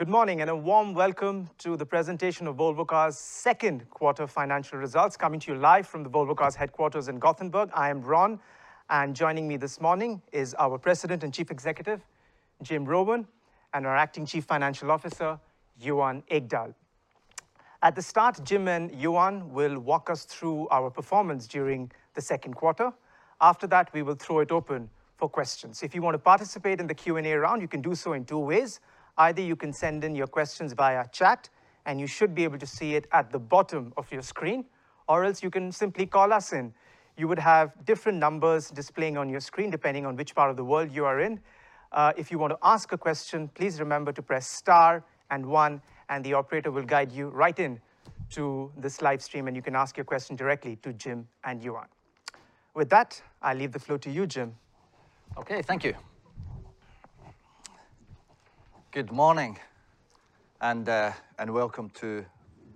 Good morning and a warm welcome to the presentation of Volvo Cars' second quarter financial results, coming to you live from the Volvo Cars headquarters in Gothenburg. I am Ron, and joining me this morning is our President and Chief Executive, Jim Rowan, and our Acting Chief Financial Officer, Johan Ekdahl. At the start, Jim and Johan will walk us through our performance during the second quarter. After that, we will throw it open for questions. If you want to participate in the Q&A round, you can do so in two ways. Either you can send in your questions via chat, and you should be able to see it at the bottom of your screen, or else you can simply call us in. You would have different numbers displaying on your screen, depending on which part of the world you are in. If you want to ask a question, please remember to press star and one, and the operator will guide you right into this live stream, and you can ask your question directly to Jim and Johan. With that, I leave the floor to you, Jim. Okay. Thank you. Good morning and welcome to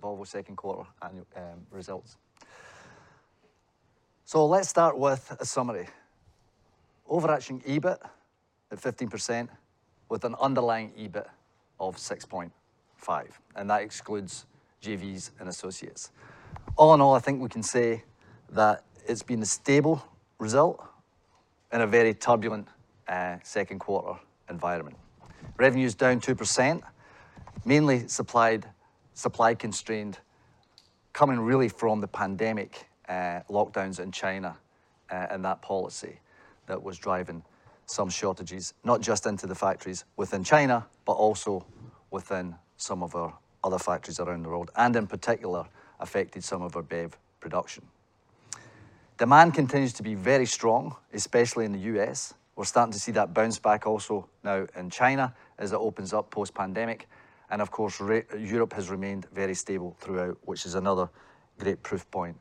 Volvo second quarter annual results. Let's start with a summary. Overarching EBIT at 15% with an underlying EBIT of 6.5%, and that excludes JVs and associates. All in all, I think we can say that it's been a stable result in a very turbulent second quarter environment. Revenue's down 2%, mainly supply constrained coming really from the pandemic lockdowns in China and that policy that was driving some shortages, not just into the factories within China, but also within some of our other factories around the world, and in particular affected some of our BEV production. Demand continues to be very strong, especially in the U.S.. We're starting to see that bounce back also now in China as it opens up post-pandemic. Europe has remained very stable throughout, which is another great proof point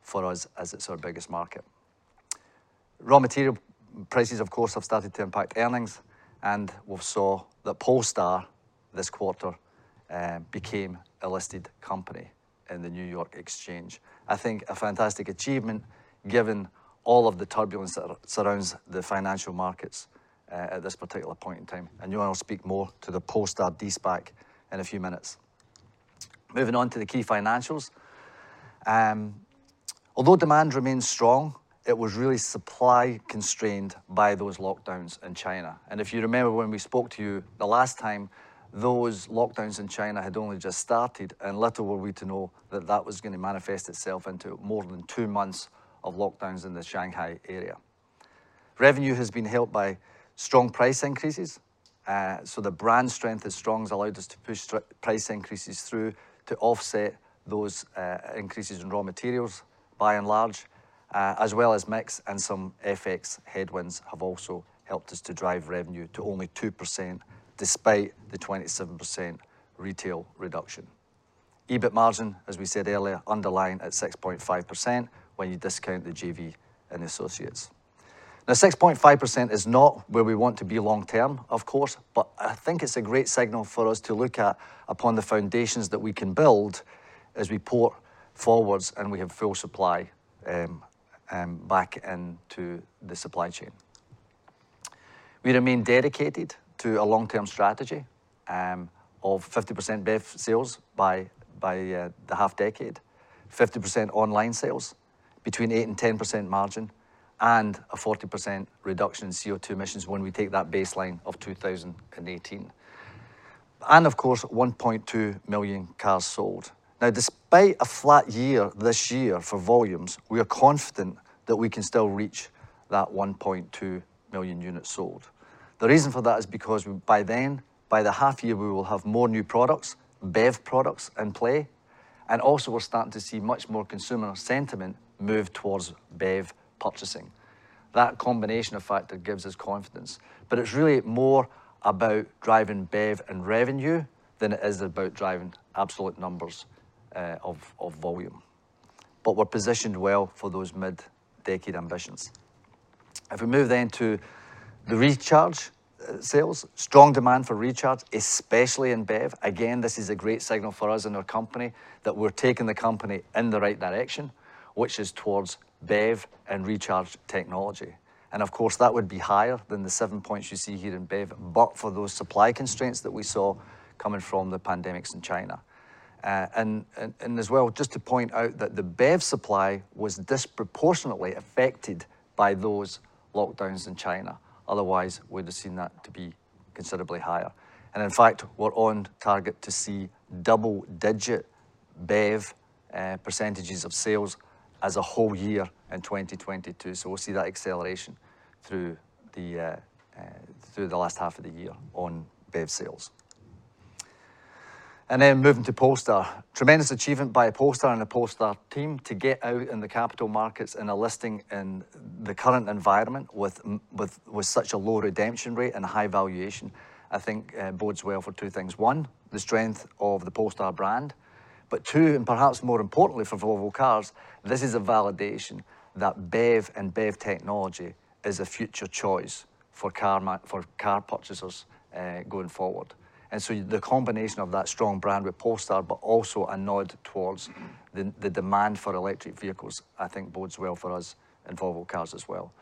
for us as it's our biggest market. Raw material prices, of course, have started to impact earnings, and we've seen that Polestar this quarter became a listed company on Nasdaq. I think a fantastic achievement given all of the turbulence that surrounds the financial markets at this particular point in time. Johan will speak more to the Polestar de-SPAC in a few minutes. Moving on to the key financials. Although demand remains strong, it was really supply constrained by those lockdowns in China. If you remember when we spoke to you the last time, those lockdowns in China had only just started, and little were we to know that that was going to manifest itself into more than two months of lockdowns in the Shanghai area. Revenue has been helped by strong price increases, so the brand strength is strong. It's allowed us to push price increases through to offset those increases in raw materials by and large, as well as mix and some FX headwinds have also helped us to drive revenue to only 2% despite the 27% retail reduction. EBIT margin, as we said earlier, underlying at 6.5% when you discount the JVs and associates. Now, 6.5% is not where we want to be long-term, of course, but I think it's a great signal for us to look at upon the foundations that we can build as we push forward and we have full supply back into the supply chain. We remain dedicated to a long-term strategy of 50% BEV sales by mid-decade, 50% online sales, 8%-10% margin, and a 40% reduction in CO2 emissions when we take that baseline of 2018. Of course, 1.2 million cars sold. Despite a flat year this year for volumes, we are confident that we can still reach that 1.2 million units sold. The reason for that is because by then, by mid-year, we will have more new products, BEV products in play, and also we're starting to see much more consumer sentiment move towards BEV purchasing. That combination of factors gives us confidence. It's really more about driving BEV and revenue than it is about driving absolute numbers of volume. We're positioned well for those mid-decade ambitions. If we move then to the Recharge sales, strong demand for Recharge, especially in BEV. Again, this is a great signal for us in our company that we're taking the company in the right direction, which is towards BEV and Recharge technology. Of course, that would be higher than the 7% you see here in BEV, but for those supply constraints that we saw coming from the pandemic in China. As well, just to point out that the BEV supply was disproportionately affected by those lockdowns in China. Otherwise, we'd have seen that to be considerably higher. In fact, we're on target to see double-digit BEV percentages of sales for the whole year in 2022. We'll see that acceleration through the last half of the year on BEV sales. Moving to Polestar. Tremendous achievement by Polestar and the Polestar team to get out in the capital markets in a listing in the current environment with such a low redemption rate and a high valuation, I think, bodes well for two things. One, the strength of the Polestar brand. Two, and perhaps more importantly for Volvo Cars, this is a validation that BEV and BEV technology is a future choice for car purchasers, going forward. The combination of that strong brand with Polestar, but also a nod towards the demand for electric vehicles, I think bodes well for us in Volvo Cars as well.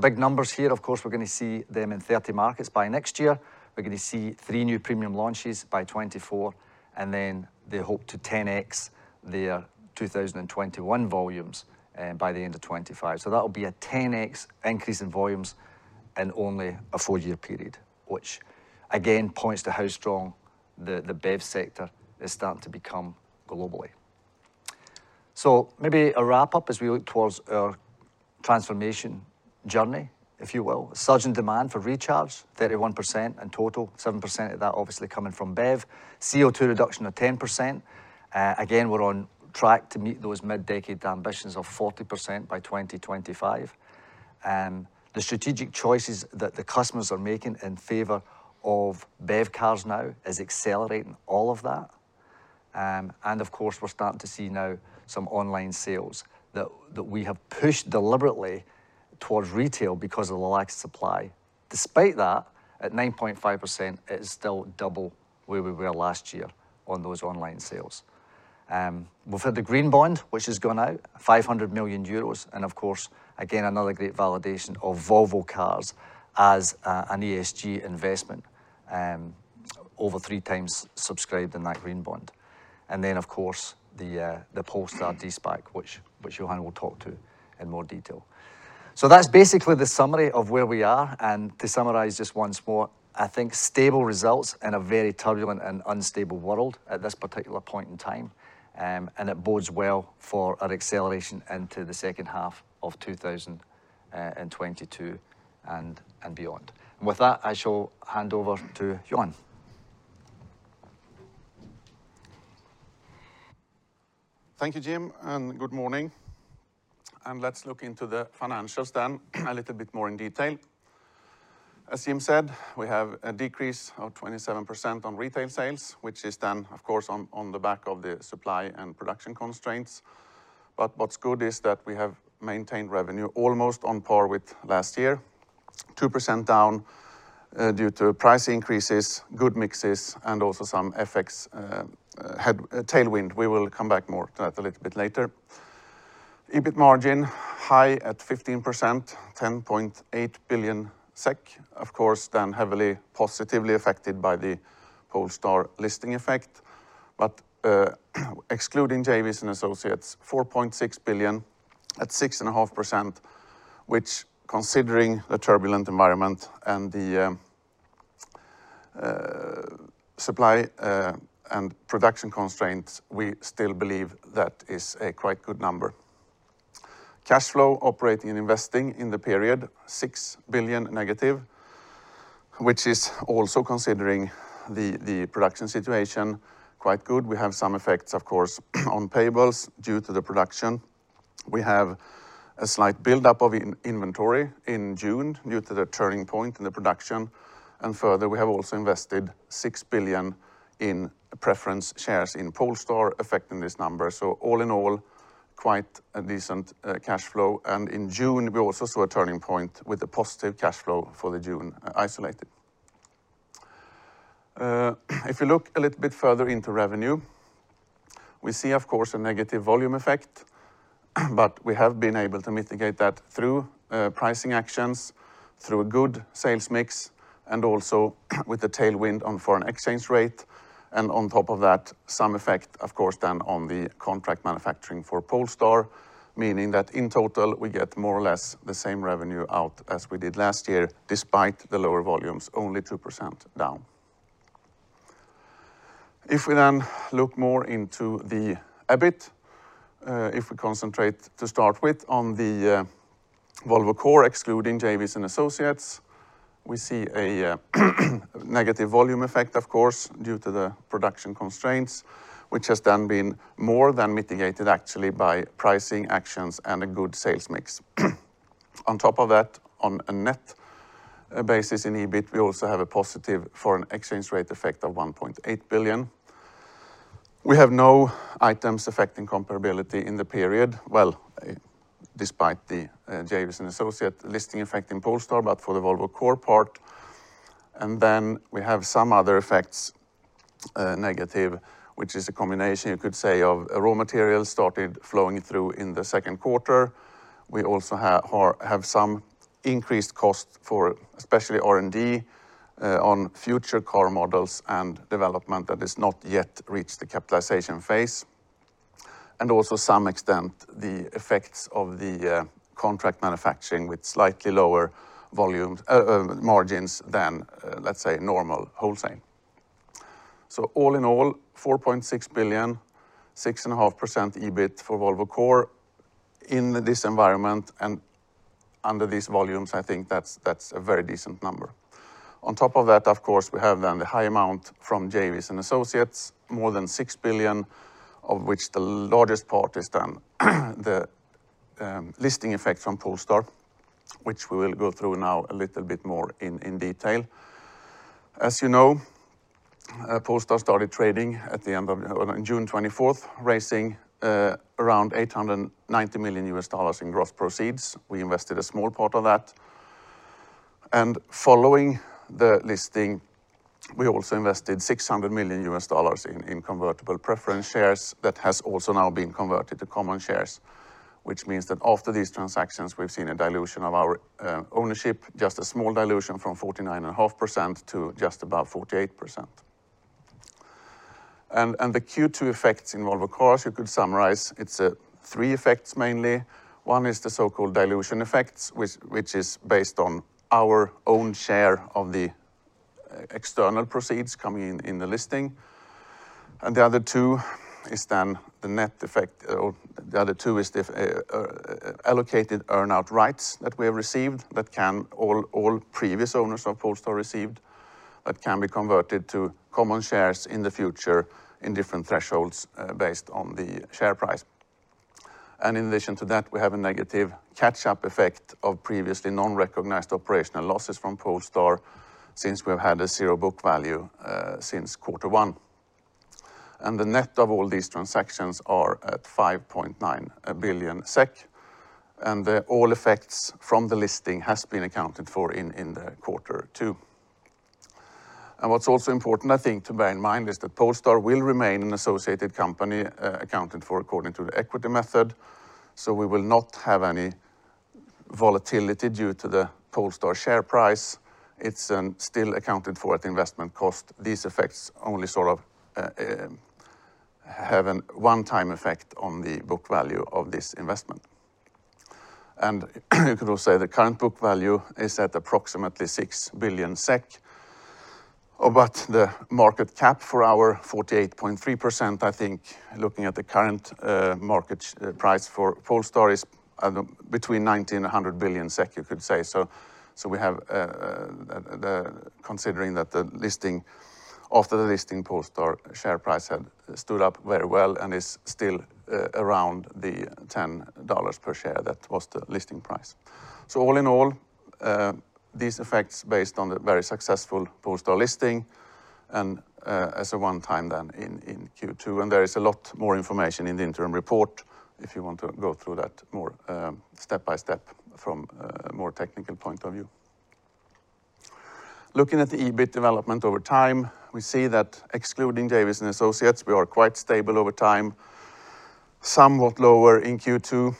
Big numbers here, of course, we're gonna see them in 30 markets by next year. We're gonna see three new premium launches by 2024, and then they hope to 10x their 2021 volumes, and by the end of 2025. That'll be a 10x increase in volumes in only a four-year period, which again points to how strong the BEV sector is starting to become globally. Maybe a wrap-up as we look towards our transformation journey, if you will. A surge in demand for Recharge, 31% in total, 7% of that obviously coming from BEV. CO₂ reduction of 10%. Again, we're on track to meet those mid-decade ambitions of 40% by 2025. The strategic choices that the customers are making in favor of BEV cars now is accelerating all of that. Of course, we're starting to see now some online sales that we have pushed deliberately towards retail because of the lack of supply. Despite that, at 9.5%, it is still double where we were last year on those online sales. We've had the green bond, which has gone out, 500 million euros, and of course, again, another great validation of Volvo Cars as an ESG investment, over 3x subscribed in that green bond. Of course, the Polestar de-SPAC, which Johan will talk to in more detail. That's basically the summary of where we are, and to summarize just once more, I think stable results in a very turbulent and unstable world at this particular point in time. It bodes well for an acceleration into the second half of 2022 and beyond. With that, I shall hand over to Johan. Thank you, Jim, and good morning. Let's look into the financials then a little bit more in detail. As Jim said, we have a decrease of 27% on retail sales, which is then, of course, on the back of the supply and production constraints. What's good is that we have maintained revenue almost on par with last year, 2% down due to price increases, good mixes, and also some FX tailwind. We will come back more to that a little bit later. EBIT margin high at 15%, 10.8 billion SEK, of course, then heavily positively affected by the Polestar listing effect. Excluding JVs and associates, 4.6 billion at 6.5%, which considering the turbulent environment and the supply and production constraints, we still believe that is a quite good number. Cash flow operating and investing in the period, -6 billion, which is also considering the production situation quite good. We have some effects, of course, on payables due to the production. We have a slight buildup of inventory in June due to the turning point in the production. Further, we have also invested 6 billion in preference shares in Polestar affecting this number. All in all, quite a decent cash flow. In June, we also saw a turning point with a positive cash flow for the June isolated. If you look a little bit further into revenue, we see, of course, a negative volume effect, but we have been able to mitigate that through pricing actions, through a good sales mix, and also with the tailwind on foreign exchange rate and on top of that, some effect, of course, then on the contract manufacturing for Polestar. Meaning that in total, we get more or less the same revenue out as we did last year, despite the lower volumes, only 2% down. If we then look more into the EBIT, if we concentrate to start with on the Volvo core, excluding JVs and associates, we see a negative volume effect, of course, due to the production constraints, which has then been more than mitigated actually by pricing actions and a good sales mix. On top of that, on a net basis in EBIT, we also have a positive foreign exchange rate effect of 1.8 billion. We have no items affecting comparability in the period. Despite the JVs and associates listing effect in Polestar, but for the Volvo core part. Then we have some other effects, negative, which is a combination you could say of raw materials started flowing through in the second quarter. We also have some increased cost for especially R&D on future car models and development that has not yet reached the capitalization phase. Also to some extent, the effects of the contract manufacturing with slightly lower volume margins than, let's say, normal wholesaling. All in all, 4.6 billion, 6.5% EBIT for Volvo core in this environment and under these volumes, I think that's a very decent number. On top of that, of course, we have then the high amount from JVs and associates, more than 6 billion, of which the largest part is then the listing effect from Polestar, which we will go through now a little bit more in detail. As you know, Polestar started trading on June 24, raising around $890 million in gross proceeds. We invested a small part of that. Following the listing, we also invested $600 million in convertible preference shares that has also now been converted to common shares, which means that after these transactions, we've seen a dilution of our ownership, just a small dilution from 49.5% to just above 48%. The Q2 effects in Volvo Cars, you could summarize it's three effects mainly. One is the so-called dilution effects, which is based on our own share of the external proceeds coming in the listing. The other two is the allocated earn-out rights that we have received that all previous owners of Polestar received, that can be converted to common shares in the future in different thresholds based on the share price. In addition to that, we have a negative catch-up effect of previously non-recognized operational losses from Polestar since we've had a zero book value since quarter one. The net of all these transactions are at 5.9 billion SEK, and all effects from the listing has been accounted for in the quarter two. What's also important, I think, to bear in mind is that Polestar will remain an associated company accounted for according to the equity method, so we will not have any volatility due to the Polestar share price. It's still accounted for at investment cost. These effects only sort of have a one-time effect on the book value of this investment. You could also say the current book value is at approximately 6 billion SEK. About the market cap for our 48.3%, I think looking at the current market price for Polestar is between 90-100 billion SEK, you could say. Considering that after the listing Polestar share price had stood up very well and is still around the $10 per share, that was the listing price. All in all, these effects based on the very successful Polestar listing and, as a one-time in Q2, there is a lot more information in the interim report if you want to go through that more, step by step from a more technical point of view. Looking at the EBIT development over time, we see that excluding JVs and associates, we are quite stable over time, somewhat lower in Q2,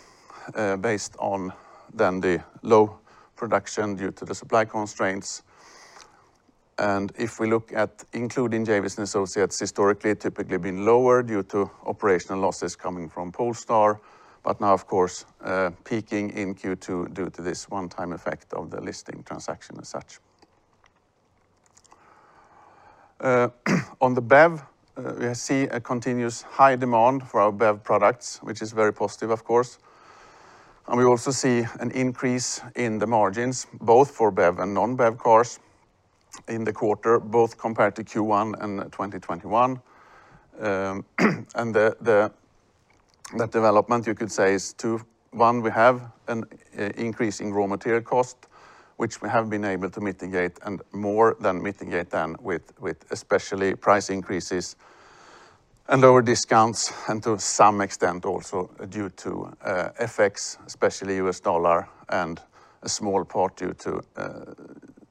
based on the low production due to the supply constraints. If we look at including JVs and associates, historically typically been lower due to operational losses coming from Polestar, but now of course, peaking in Q2 due to this one-time effect of the listing transaction as such. On the BEV, we see a continuous high demand for our BEV products, which is very positive, of course. We also see an increase in the margins, both for BEV and non-BEV cars in the quarter, both compared to Q1 and 2021. The development you could say is two. One, we have an increase in raw material cost, which we have been able to mitigate and more than offset with especially price increases and lower discounts, and to some extent also due to FX, especially U.S. dollar and a small part due to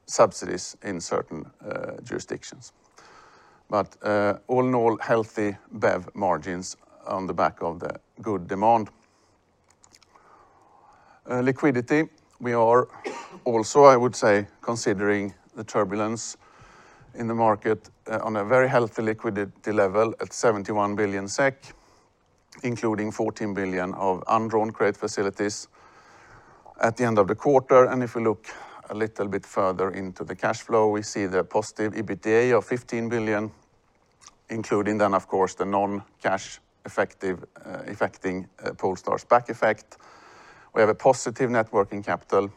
subsidies in certain jurisdictions. All in all, healthy BEV margins on the back of the good demand. Liquidity, we are also, I would say, considering the turbulence in the market, on a very healthy liquidity level at 71 billion SEK, including 14 billion of undrawn credit facilities at the end of the quarter. If we look a little bit further into the cash flow, we see the positive EBITDA of 15 billion, including then of course the non-cash effect of Polestar de-SPAC. We have a positive net working capital,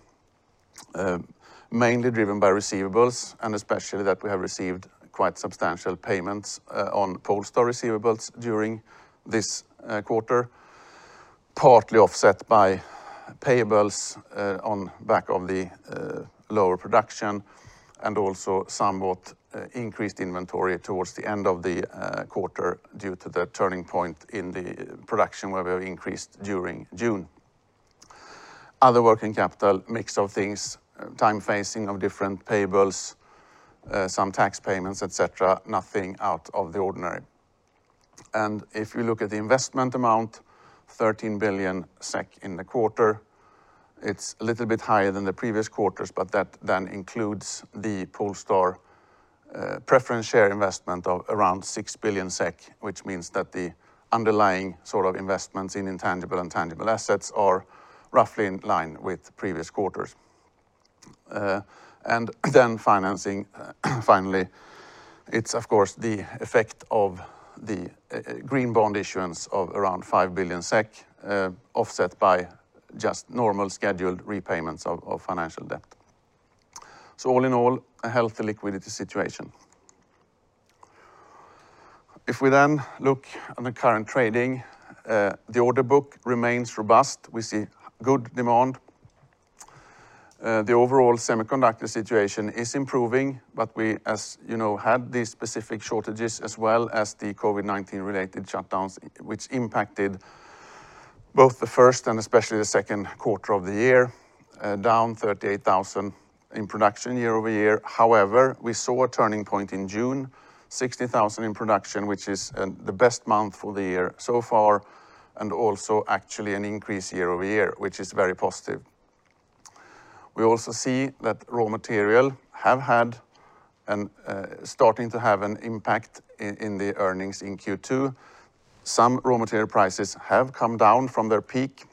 mainly driven by receivables, and especially that we have received quite substantial payments on Polestar receivables during this quarter, partly offset by payables on the back of the lower production and also somewhat increased inventory towards the end of the quarter due to the turning point in the production where we have increased during June. Other working capital, mix of things, timing of different payables, some tax payments, etc., nothing out of the ordinary. If you look at the investment amount, 13 billion SEK in the quarter, it's a little bit higher than the previous quarters, but that then includes the Polestar preference share investment of around 6 billion SEK, which means that the underlying sort of investments in intangible and tangible assets are roughly in line with previous quarters. Financing, finally, it's of course the effect of the green bond issuance of around 5 billion SEK, offset by just normal scheduled repayments of financial debt. All in all, a healthy liquidity situation. If we look on the current trading, the order book remains robust. We see good demand. The overall semiconductor situation is improving, but we, as you know, had these specific shortages as well as the COVID-19 related shutdowns, which impacted both the first and especially the second quarter of the year, down 38,000 in production year-over-year. However, we saw a turning point in June, 60,000 in production, which is the best month for the year so far, and also actually an increase year-over-year, which is very positive. We also see that raw material have had and starting to have an impact in the earnings in Q2. Some raw material prices have come down from their peak,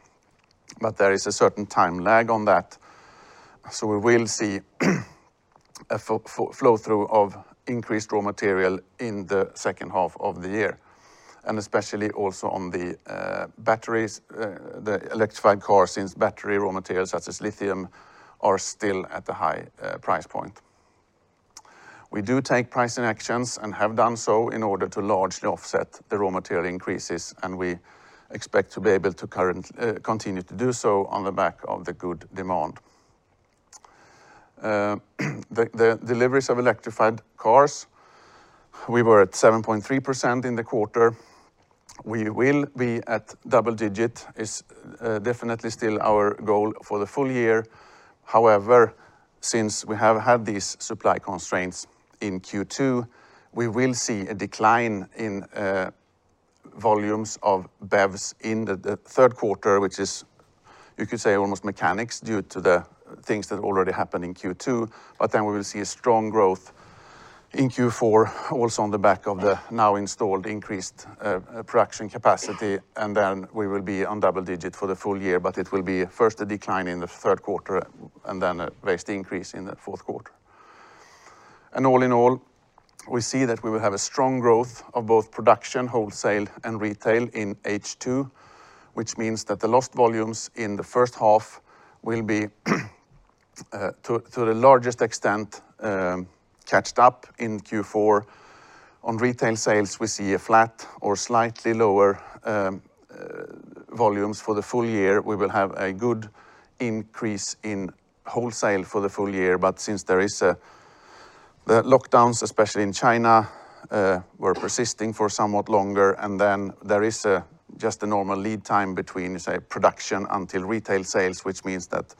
but there is a certain time lag on that. We will see a flow-through of increased raw material in the second half of the year, and especially also on the batteries, the electrified cars since battery raw materials such as lithium are still at the high price point. We do take pricing actions and have done so in order to largely offset the raw material increases, and we expect to be able to continue to do so on the back of the good demand. The deliveries of electrified cars, we were at 7.3% in the quarter. We will be at double digit, definitely still our goal for the full year. However, since we have had these supply constraints in Q2, we will see a decline in volumes of BEVs in the third quarter, which is, you could say, almost mechanical due to the things that already happened in Q2. But then we will see a strong growth in Q4 also on the back of the now installed increased production capacity, and then we will be on double digit for the full year, but it will be first a decline in the third quarter and then a vast increase in the fourth quarter. All in all, we see that we will have a strong growth of both production, wholesale, and retail in H2, which means that the lost volumes in the first half will be to the largest extent caught up in Q4. On retail sales, we see a flat or slightly lower volumes for the full year. We will have a good increase in wholesale for the full year, but since there is the lockdowns, especially in China, were persisting for somewhat longer, and then there is just a normal lead time between, say, production until retail sales, which means that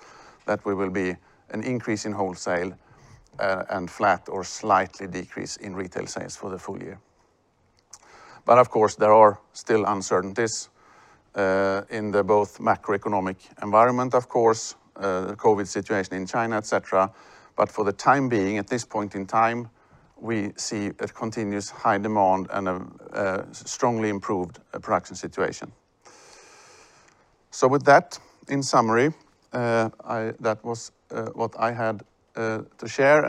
we will be an increase in wholesale, and flat or slightly decrease in retail sales for the full year. But of course, there are still uncertainties in both macroeconomic environment, of course, the COVID situation in China, et cetera. But for the time being, at this point in time, we see a continuous high demand and a strongly improved production situation. With that, in summary, that was what I had to share.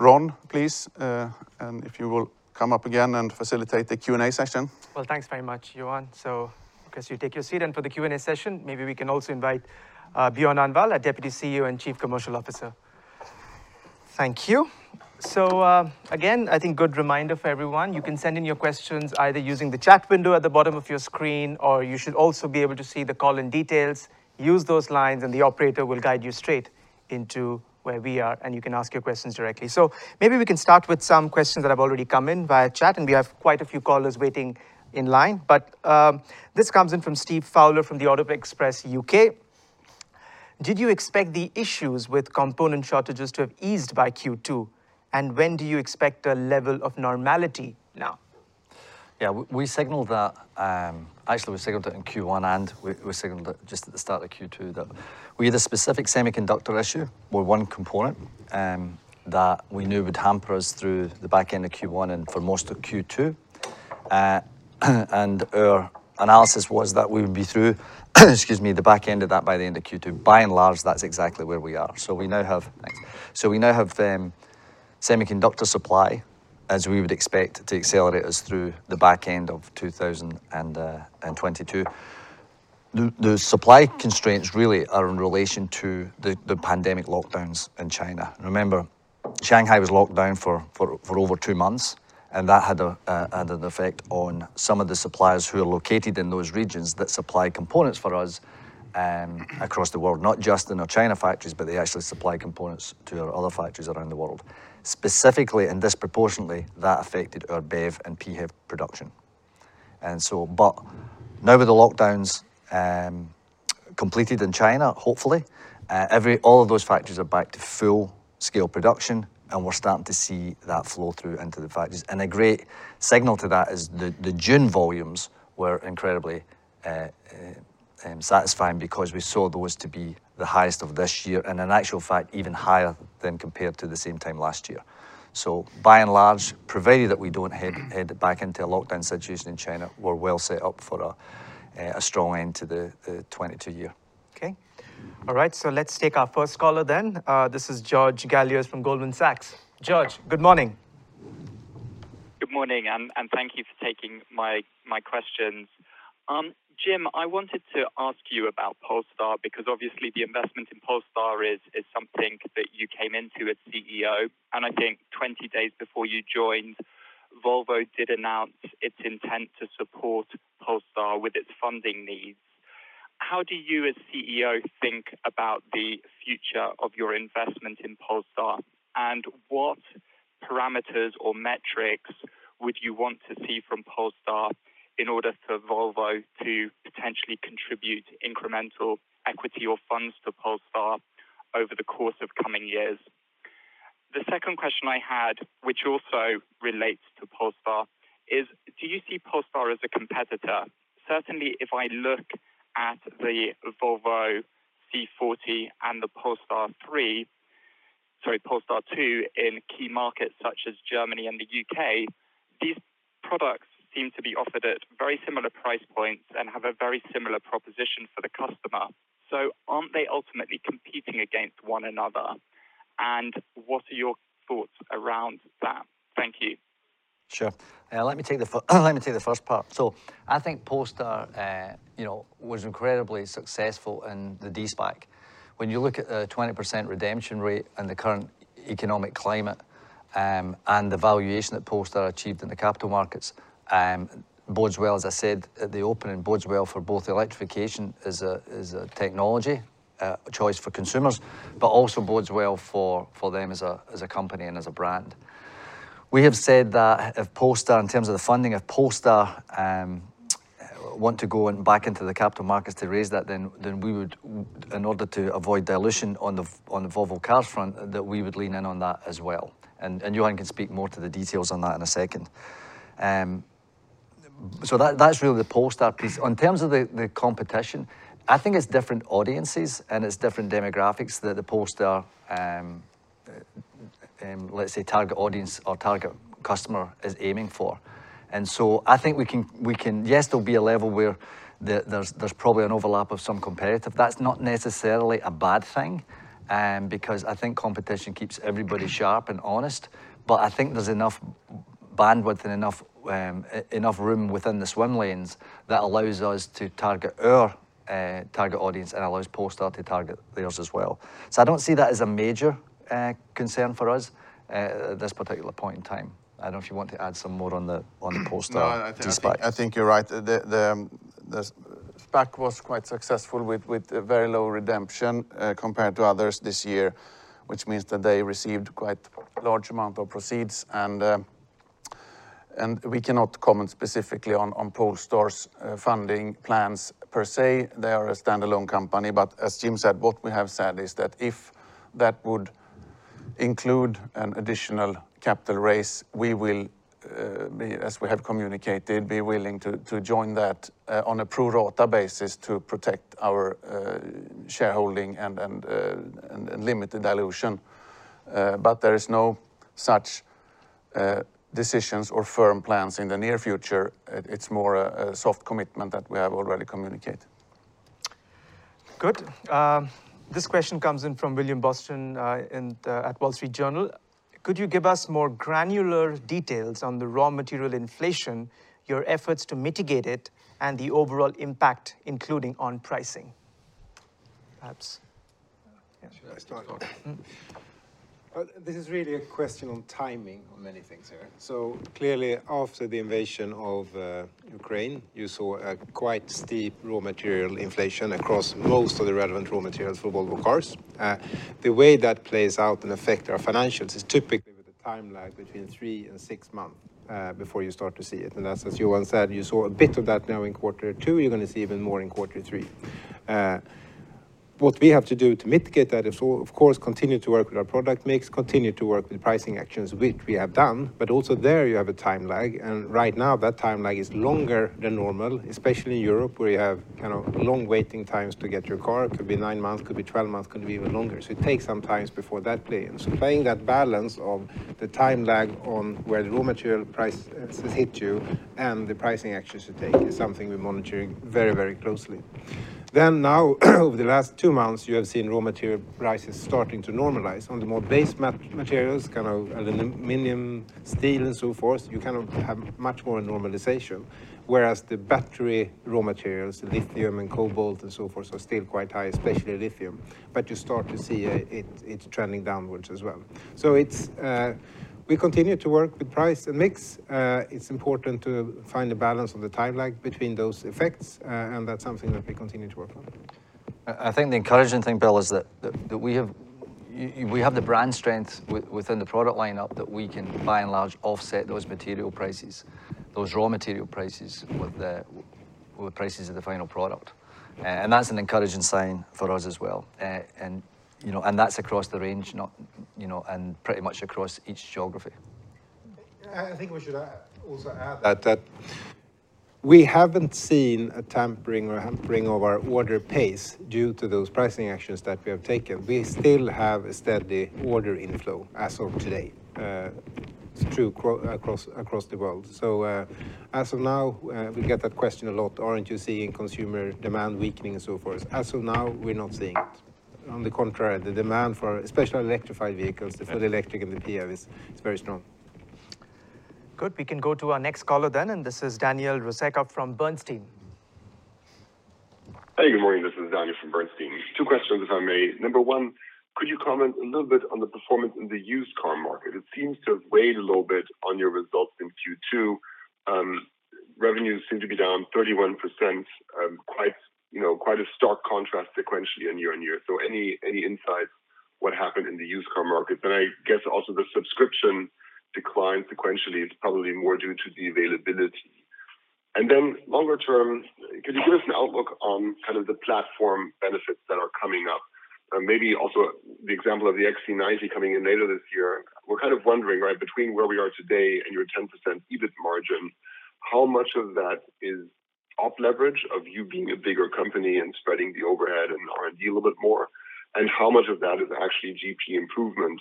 Ron, please, and if you will come up again and facilitate the Q&A session. Well, thanks very much, Johan. I guess you take your seat. For the Q&A session, maybe we can also invite Björn Annwall, our Deputy CEO and Chief Commercial Officer. Thank you. I think good reminder for everyone. You can send in your questions either using the chat window at the bottom of your screen, or you should also be able to see the call-in details. Use those lines, and the operator will guide you straight into where we are, and you can ask your questions directly. Maybe we can start with some questions that have already come in via chat, and we have quite a few callers waiting in line. This comes in from Steve Fowler from Auto Express. Did you expect the issues with component shortages to have eased by Q2? When do you expect a level of normality now? We signaled that, actually we signaled it in Q1 and we signaled it just at the start of Q2, that we had a specific semiconductor issue with one component, that we knew would hamper us through the back end of Q1 and for most of Q2. Our analysis was that we would be through the back end of that by the end of Q2. By and large, that's exactly where we are. We now have semiconductor supply, as we would expect, to accelerate us through the back end of 2022. The supply constraints really are in relation to the pandemic lockdowns in China. Remember, Shanghai was locked down for over two months, and that had an effect on some of the suppliers who are located in those regions that supply components for us across the world, not just in our China factories, but they actually supply components to our other factories around the world. Specifically and disproportionately, that affected our BEV and PHEV production. Now with the lockdowns completed in China, hopefully, all of those factories are back to full-scale production, and we're starting to see that flow through into the factories. A great signal to that is the June volumes were incredibly satisfying because we saw those to be the highest of this year and in actual fact, even higher than compared to the same time last year. By and large, provided that we don't head back into a lockdown situation in China, we're well set up for a strong end to the 2022 year. Okay. All right, let's take our first caller then. This is George Galliers from Goldman Sachs. George, good morning. Good morning, and thank you for taking my questions. Jim, I wanted to ask you about Polestar because obviously the investment in Polestar is something that you came into as CEO. I think 20 days before you joined, Volvo did announce its intent to support Polestar with its funding needs. How do you as CEO think about the future of your investment in Polestar? What parameters or metrics would you want to see from Polestar in order for Volvo to potentially contribute incremental equity or funds to Polestar over the course of coming years? The second question I had, which also relates to Polestar, is do you see Polestar as a competitor? Certainly, if I look at the Volvo C40 and the Polestar 2 in key markets such as Germany and the U.K., these products seem to be offered at very similar price points and have a very similar proposition for the customer. Aren't they ultimately competing against one another? What are your thoughts around that? Thank you. Sure. Let me take the first part. I think Polestar, you know, was incredibly successful in the de-SPAC. When you look at a 20% redemption rate and the current economic climate, and the valuation that Polestar achieved in the capital markets, bodes well, as I said at the open, and bodes well for both electrification as a technology choice for consumers, but also bodes well for them as a company and as a brand. We have said that if Polestar, in terms of the funding, if Polestar want to go and back into the capital markets to raise that, then we would in order to avoid dilution on the Volvo Cars front, that we would lean in on that as well. Johan can speak more to the details on that in a second. That's really the Polestar piece. In terms of the competition, I think it's different audiences and it's different demographics that the Polestar let's say target audience or target customer is aiming for. I think we can. Yes, there'll be a level where there's probably an overlap of some competition. That's not necessarily a bad thing, because I think competition keeps everybody sharp and honest. I think there's enough bandwidth and enough room within the swim lanes that allows us to target our target audience and allows Polestar to target theirs as well. I don't see that as a major concern for us at this particular point in time. I don't know if you want to add some more on the Polestar de-SPAC. No, I think you're right. The SPAC was quite successful with a very low redemption compared to others this year, which means that they received quite large amount of proceeds. We cannot comment specifically on Polestar's funding plans per se. They are a standalone company. As Jim said, what we have said is that if that would include an additional capital raise, we will, as we have communicated, be willing to join that on a pro rata basis to protect our shareholding and limit the dilution. There is no such decisions or firm plans in the near future. It's more a soft commitment that we have already communicated. Good. This question comes in from William Boston at The Wall Street Journal. Could you give us more granular details on the raw material inflation, your efforts to mitigate it, and the overall impact, including on pricing? Perhaps. Should I start? Mm-hmm. Well, this is really a question on timing on many things here. Clearly, after the invasion of Ukraine, you saw a quite steep raw material inflation across most of the relevant raw materials for Volvo Cars. The way that plays out and affect our financials is typically with a timeline between three and six months before you start to see it. As Johan said, you saw a bit of that now in quarter two, you're gonna see even more in quarter three. What we have to do to mitigate that is of course continue to work with our product mix, continue to work with pricing actions, which we have done. Also there you have a time lag, and right now that time lag is longer than normal, especially in Europe, where you have kind of long waiting times to get your car. It could be nine months, could be 12 months, could be even longer. It takes some time before that plays. Playing that balance of the time lag on where the raw material prices hit you and the pricing actions to take is something we're monitoring very, very closely. Now over the last two months, you have seen raw material prices starting to normalize. On the more base materials, kind of aluminum, steel, and so forth, you kind of have much more normalization, whereas the battery raw materials, lithium and cobalt and so forth, are still quite high, especially lithium. You start to see it trending downwards as well. We continue to work with price and mix. It's important to find the balance of the time lag between those effects, and that's something that we continue to work on. I think the encouraging thing, Bill, is that we have the brand strength within the product line-up that we can by and large offset those material prices, those raw material prices with the prices of the final product. That's an encouraging sign for us as well. You know, that's across the range, you know, and pretty much across each geography. I think we should also add that we haven't seen a tempering or hampering of our order pace due to those pricing actions that we have taken. We still have a steady order inflow as of today. It's true across the world. As of now, we get that question a lot, aren't you seeing consumer demand weakening and so forth? As of now, we're not seeing it. On the contrary, the demand for especially electrified vehicles, the full electric and the PHEV is very strong. Good. We can go to our next caller then, and this is Daniel Roeska from Bernstein. Hey, good morning. This is Daniel from Bernstein. Two questions, if I may. Number one, could you comment a little bit on the performance in the used car market? It seems to have weighed a little bit on your results in Q2. Revenues seem to be down 31%. Quite, you know, quite a stark contrast sequentially and year-on-year. Any insights what happened in the used car market? I guess also the subscription declined sequentially. It's probably more due to the availability. Longer term, could you give us an outlook on kind of the platform benefits that are coming up? Maybe also the example of the XC90 coming in later this year. We're kind of wondering, right, between where we are today and your 10% EBIT margin, how much of that is op leverage of you being a bigger company and spreading the overhead and R&D a little bit more, and how much of that is actually GP improvement?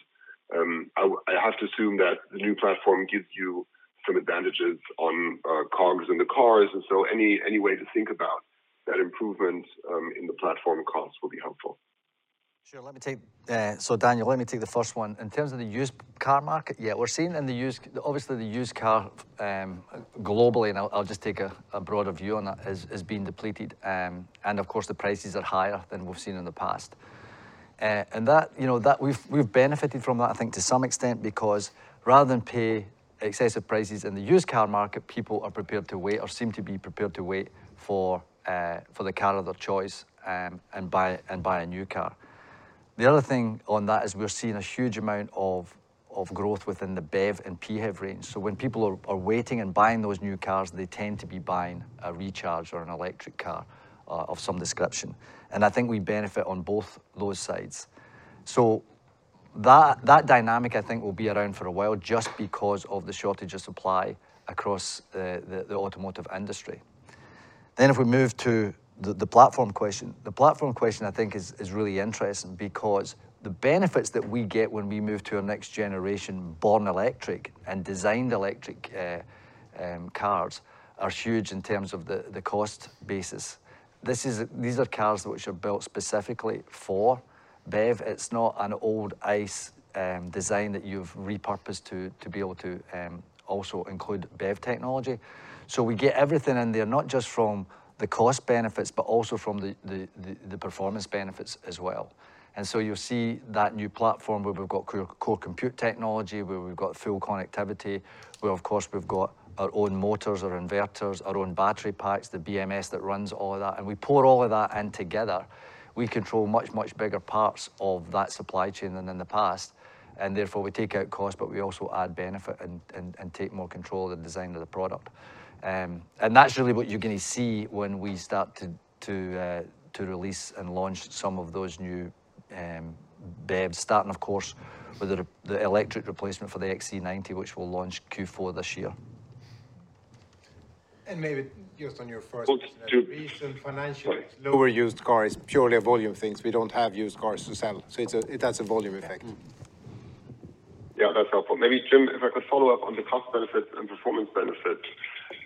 I have to assume that the new platform gives you some advantages on COGS in the cars and so any way to think about that improvement in the platform costs will be helpful. Sure. Let me take the first one, Daniel. In terms of the used car market, yeah, we're seeing obviously the used car globally, and I'll just take a broader view on that, is being depleted, and of course, the prices are higher than we've seen in the past. That, you know, we've benefited from that, I think, to some extent because rather than pay excessive prices in the used car market, people are prepared to wait or seem to be prepared to wait for the car of their choice, and buy a new car. The other thing on that is we're seeing a huge amount of growth within the BEV and PHEV range. When people are waiting and buying those new cars, they tend to be buying a Recharge or an electric car, of some description. I think we benefit on both those sides. That dynamic I think will be around for a while just because of the shortage of supply across the automotive industry. If we move to the platform question. The platform question I think is really interesting because the benefits that we get when we move to a next generation born electric and designed electric cars are huge in terms of the cost basis. These are cars which are built specifically for BEV. It's not an old ICE design that you've repurposed to be able to also include BEV technology. We get everything in there, not just from the cost benefits, but also from the performance benefits as well. You'll see that new platform where we've got core compute technology, where we've got full connectivity, where, of course, we've got our own motors, our inverters, our own battery packs, the BMS that runs all of that. We pour all of that in together. We control much bigger parts of that supply chain than in the past, and therefore we take out cost, but we also add benefit and take more control of the design of the product. That's really what you're gonna see when we start to release and launch some of those new BEVs, starting of course, with the electric replacement for the XC90, which we'll launch Q4 this year. Maybe just on your first- Well,- Recent financials lower used cars, purely a volume thing. We don't have used cars to sell. It has a volume effect. Yeah, that's helpful. Maybe Jim, if I could follow up on the cost benefits and performance benefits.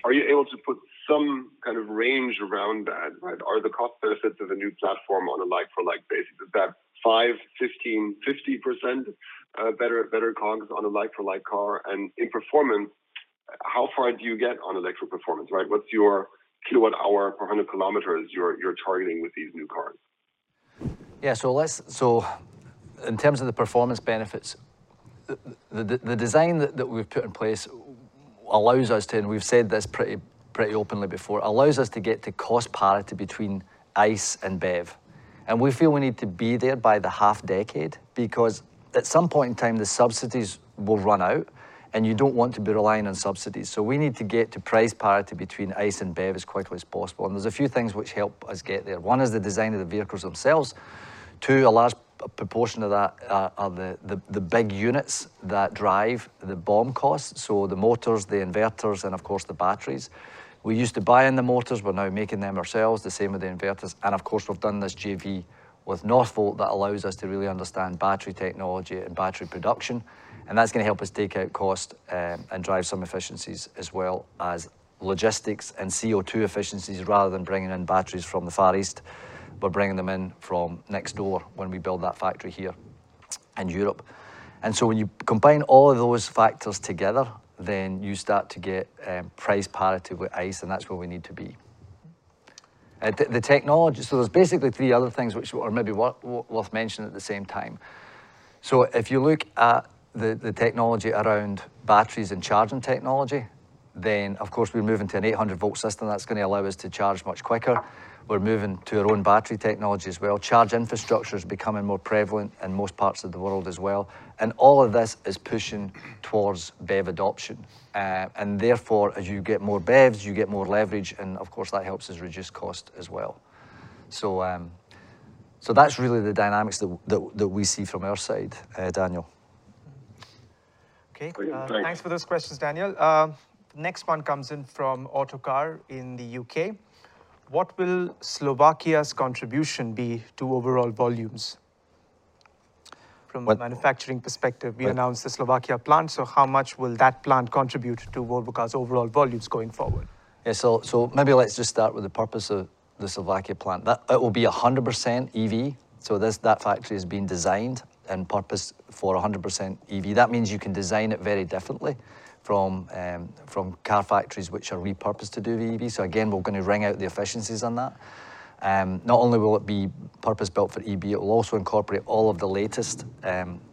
Are you able to put some kind of range around that, right? Are the cost benefits of a new platform on a like-for-like basis? Is that 5%, 15%, 50% better COGS on a like-for-like car? In performance, how far do you get on electric performance, right? What's your kWh per 100 km you're targeting with these new cars? Yeah. In terms of the performance benefits, the design that we've put in place allows us to, and we've said this pretty openly before, allows us to get to cost parity between ICE and BEV. We feel we need to be there by the half decade, because at some point in time, the subsidies will run out, and you don't want to be relying on subsidies. We need to get to price parity between ICE and BEV as quickly as possible. There's a few things which help us get there. One is the design of the vehicles themselves. Two, a large proportion of that are the big units that drive the BOM costs. The motors, the inverters, and of course the batteries. We used to buy in the motors, we're now making them ourselves, the same with the inverters. Of course, we've done this JV with Northvolt that allows us to really understand battery technology and battery production. That's gonna help us take out cost, and drive some efficiencies as well as logistics and CO2 efficiencies, rather than bringing in batteries from the Far East. We're bringing them in from next door when we build that factory here in Europe. When you combine all of those factors together, then you start to get price parity with ICE, and that's where we need to be. The technology. There's basically three other things which are maybe worth mentioning at the same time. If you look at the technology around batteries and charging technology, then of course we're moving to an 800-volt system that's gonna allow us to charge much quicker. We're moving to our own battery technology as well. Charging infrastructure is becoming more prevalent in most parts of the world as well. All of this is pushing towards BEV adoption. Therefore, as you get more BEVs, you get more leverage, and of course, that helps us reduce cost as well. That's really the dynamics that we see from our side, Daniel. Okay. Great. Thanks for those questions, Daniel. Next one comes in from Autocar in the U.K.. What will Slovakia's contribution be to overall volumes? What- From a manufacturing perspective, we announced the Slovakia plant. How much will that plant contribute to Volvo Cars' overall volumes going forward? Yeah. Maybe let's just start with the purpose of the Slovakia plant. That it will be 100% EV. This factory has been designed and purposed for 100% EV. That means you can design it very differently from car factories which are repurposed to do EV. Again, we're gonna wring out the efficiencies on that. Not only will it be purpose-built for EV, it will also incorporate all of the latest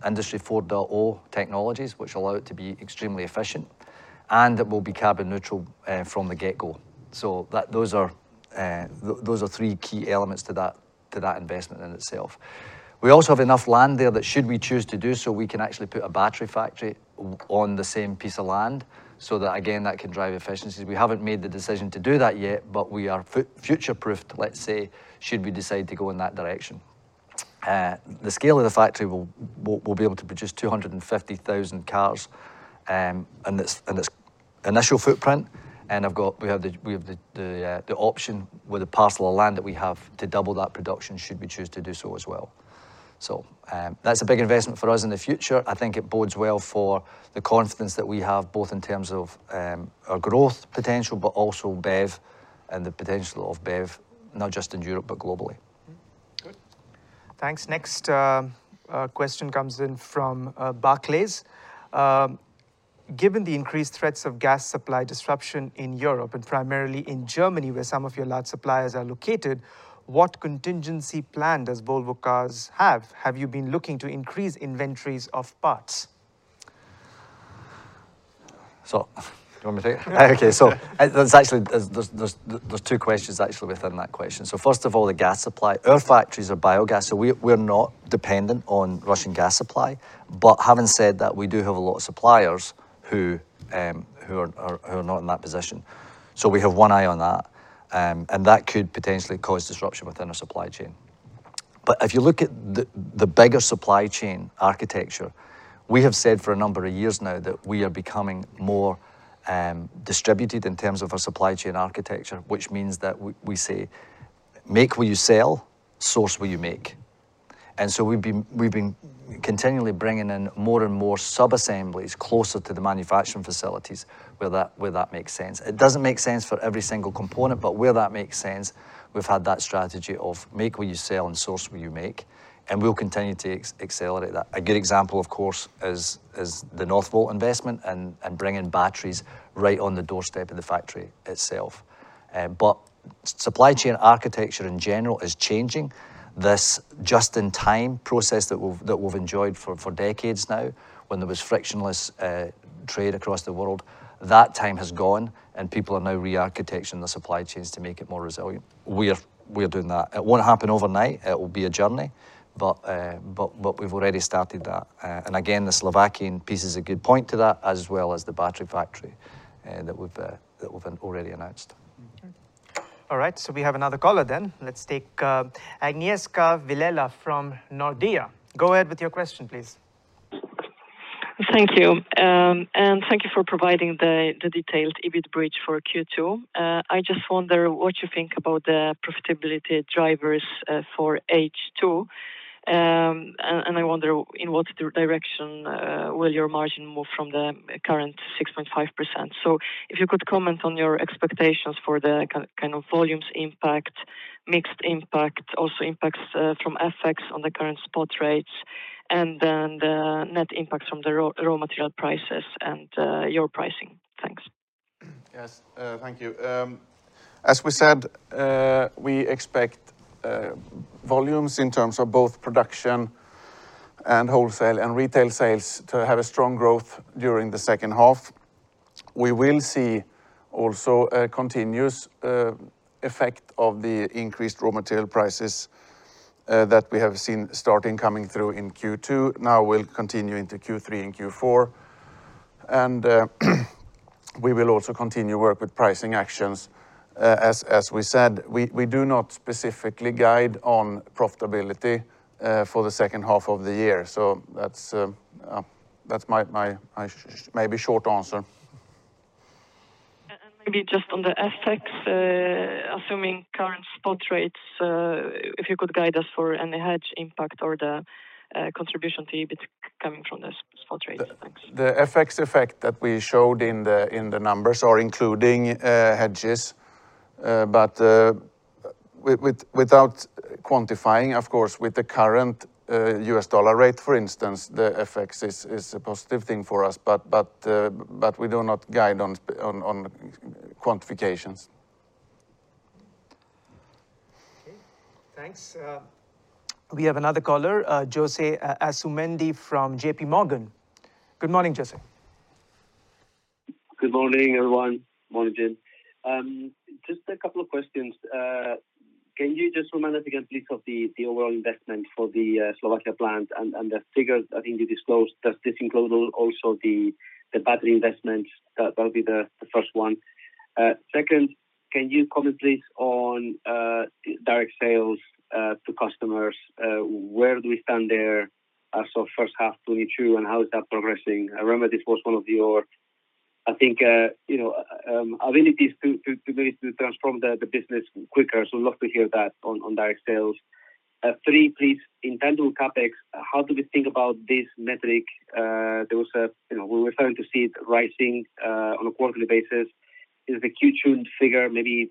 Industry 4.0 technologies, which allow it to be extremely efficient. It will be carbon neutral from the get-go. Those are three key elements to that investment in itself. We also have enough land there that should we choose to do so, we can actually put a battery factory on the same piece of land, so that again, that can drive efficiencies. We haven't made the decision to do that yet, but we are future-proofed, let's say, should we decide to go in that direction. The scale of the factory will be able to produce 250,000 cars in its initial footprint. We have the option with a parcel of land that we have to double that production should we choose to do so as well. That's a big investment for us in the future. I think it bodes well for the confidence that we have, both in terms of our growth potential, but also BEV and the potential of BEV, not just in Europe, but globally. Good. Thanks. Next, question comes in from Barclays. Given the increased threats of gas supply disruption in Europe, and primarily in Germany, where some of your large suppliers are located, what contingency plan does Volvo Cars have? Have you been looking to increase inventories of parts? You want me to take it? Yeah. Okay. There's actually two questions actually within that question. First of all, the gas supply. Our factories are biogas, so we're not dependent on Russian gas supply. Having said that, we do have a lot of suppliers who are not in that position. We have one eye on that, and that could potentially cause disruption within our supply chain. If you look at the bigger supply chain architecture, we have said for a number of years now that we are becoming more distributed in terms of our supply chain architecture, which means that we say, "Make where you sell, source where you make." We've been continually bringing in more and more sub-assemblies closer to the manufacturing facilities where that makes sense. It doesn't make sense for every single component, but where that makes sense, we've had that strategy of make where you sell and source where you make, and we'll continue to accelerate that. A good example, of course, is the Northvolt investment and bringing batteries right on the doorstep of the factory itself. Supply chain architecture in general is changing. This just-in-time process that we've enjoyed for decades now, when there was frictionless trade across the world, that time has gone and people are now re-architecturing the supply chains to make it more resilient. We are doing that. It won't happen overnight. It will be a journey. We've already started that. Again, the Slovakian piece is a good point to that, as well as the battery factory that we've already announced. Mm-hmm. All right, we have another caller then. Let's take Agnieszka Vilela from Nordea. Go ahead with your question, please. Thank you. Thank you for providing the detailed EBIT bridge for Q2. I just wonder what you think about the profitability drivers for H2. I wonder in what direction will your margin move from the current 6.5%. If you could comment on your expectations for the kind of volumes impact, mixed impact, also impacts from FX on the current spot rates, and then the net impact from the raw material prices and your pricing. Thanks. Yes, thank you. As we said, we expect volumes in terms of both production and wholesale and retail sales to have a strong growth during the second half. We will see also a continuous effect of the increased raw material prices that we have seen starting coming through in Q2. Now will continue into Q3 and Q4. We will also continue work with pricing actions. As we said, we do not specifically guide on profitability for the second half of the year. That's my maybe short answer. Maybe just on the FX, assuming current spot rates, if you could guide us for any hedge impact or the contribution to EBIT coming from the spot rates. Thanks. The FX effect that we showed in the numbers are including hedges. Without quantifying, of course, with the current U.S. dollar rate, for instance, the FX is a positive thing for us. We do not guide on quantifications. Okay, thanks. We have another caller, José Asumendi from JPMorgan. Good morning, José. Good morning, everyone. Morning, Jim. Just a couple of questions. Can you just remind us again, please, of the overall investment for the Slovakia plant and the figures I think you disclosed? Does this include also the battery investments? That'll be the first one. Second, can you comment please on direct sales to customers? Where do we stand there as of first half 2022, and how is that progressing? I remember this was one of your, I think, you know, abilities to transform the business quicker. So I'd love to hear that on direct sales. Three, please. In terms of CapEx, how do we think about this metric? There was a. You know, we were starting to see it rising on a quarterly basis. Is the Q2 figure maybe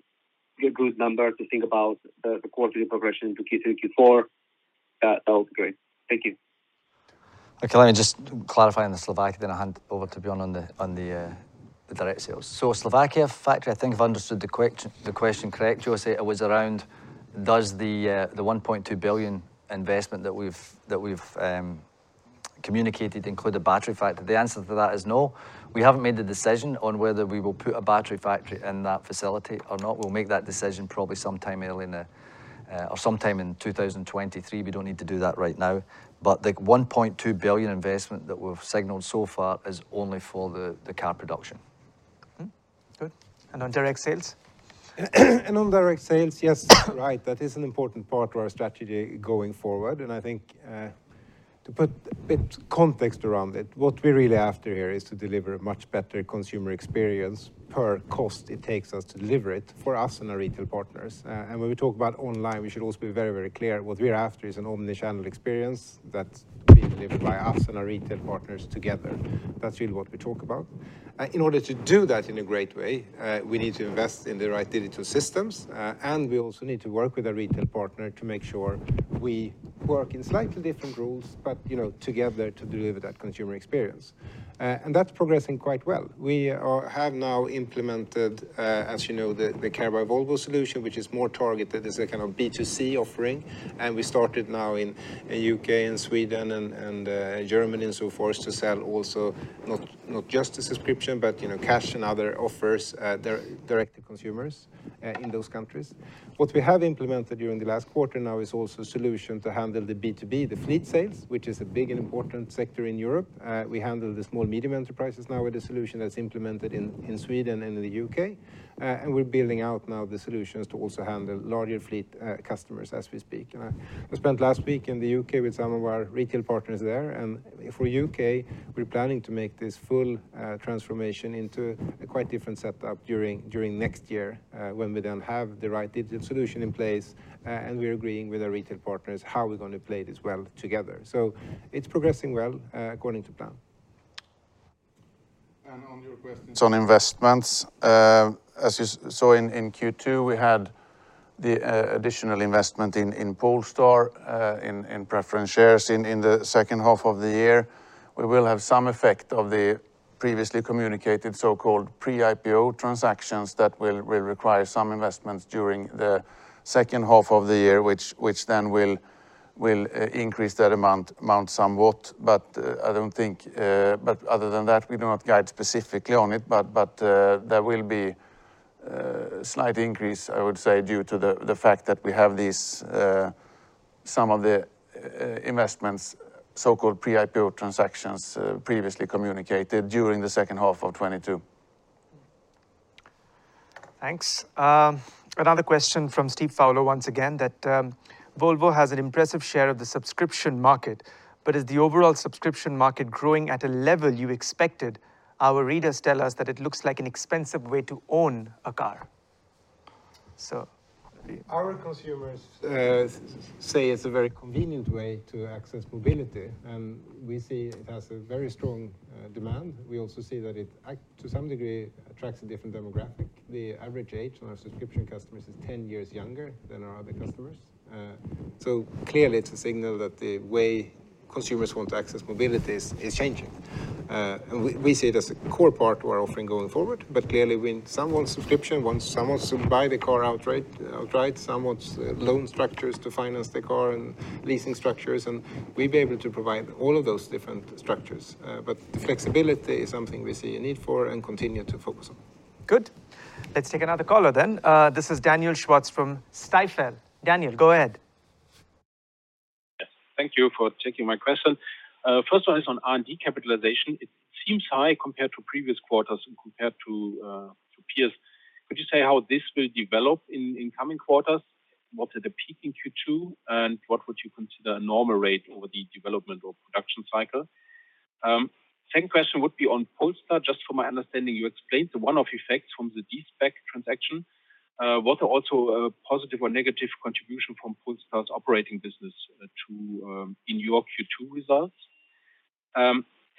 a good number to think about the quarterly progression to Q3, Q4? That would be great. Thank you. Okay, let me just clarify on the Slovakia, then I'll hand over to Björn on the direct sales. Slovakia factory, I think I've understood the question correctly, José. It was around, does the 1.2 billion investment that we've communicated include a battery factory. The answer to that is no. We haven't made the decision on whether we will put a battery factory in that facility or not. We'll make that decision probably sometime or sometime in 2023. We don't need to do that right now, but the 1.2 billion investment that we've signaled so far is only for the car production. Good. On direct sales? On direct sales, yes, right. That is an important part to our strategy going forward, and I think, to put a bit context around it, what we're really after here is to deliver a much better consumer experience per cost it takes us to deliver it for us and our retail partners. When we talk about online, we should also be very, very clear what we're after is an omnichannel experience that's being delivered by us and our retail partners together. That's really what we talk about. In order to do that in a great way, we need to invest in the right digital systems, and we also need to work with our retail partner to make sure we work in slightly different roles, but, you know, together to deliver that consumer experience. That's progressing quite well. We have now implemented, as you know, the Care by Volvo solution, which is more targeted as a kind of B2C offering, and we started now in U.K. and Sweden and Germany and so forth, to sell also not just a subscription, but, you know, cash and other offers at direct to consumers in those countries. What we have implemented during the last quarter now is also a solution to handle the B2B, the fleet sales, which is a big and important sector in Europe. We handle the small medium enterprises now with a solution that's implemented in Sweden and in the U.K., and we're building out now the solutions to also handle larger fleet customers as we speak. I spent last week in the U.K. with some of our retail partners there. For U.K., we're planning to make this full transformation into a quite different setup during next year, when we then have the right digital solution in place and we're agreeing with our retail partners how we're gonna play this well together. It's progressing well according to plan. On your questions on investments, as you saw in Q2, we had the additional investment in Polestar in preference shares in the second half of the year. We will have some effect of the previously communicated so-called pre-IPO transactions that will require some investments during the second half of the year, which then will increase that amount somewhat. Other than that, we do not guide specifically on it, but there will be slight increase, I would say, due to the fact that we have these some of the investments, so-called pre-IPO transactions previously communicated during the second half of 2022. Thanks. Another question from Steve Fowler once again, that Volvo has an impressive share of the subscription market, but is the overall subscription market growing at a level you expected? Our readers tell us that it looks like an expensive way to own a car. Our consumers say it's a very convenient way to access mobility, and we see it has a very strong demand. We also see that it to some degree attracts a different demographic. The average age on our subscription customers is 10 years younger than our other customers. Clearly it's a signal that the way consumers want to access mobility is changing. We see it as a core part to our offering going forward, but clearly when some want subscription, some want to buy the car outright. Some want loan structures to finance the car and leasing structures, and we'll be able to provide all of those different structures. Flexibility is something we see a need for and continue to focus on. Good. Let's take another caller then. This is Daniel Schwarz from Stifel. Daniel, go ahead. Yes. Thank you for taking my question. First one is on R&D capitalization. It seems high compared to previous quarters and compared to peers. Could you say how this will develop in coming quarters? Was it a peak in Q2, and what would you consider a normal rate over the development or production cycle? Second question would be on Polestar. Just from my understanding, you explained the one-off effect from the de-SPAC transaction. What are also positive or negative contribution from Polestar's operating business to your Q2 results?